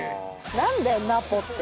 何だよ「ナポ」って。